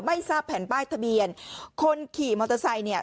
ไม่ทราบแผ่นป้ายทะเบียนคนขี่มอเตอร์ไซค์เนี่ย